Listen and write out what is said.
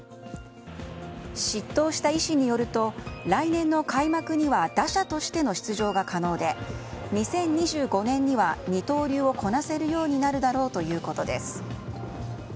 執刀した医師によると来年の開幕には打者としての出場が可能で２０２５年には二刀流をこなせるようになるだろうということです。